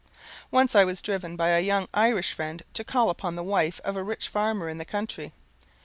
Once I was driven by a young Irish friend to call upon the wife of a rich farmer in the country.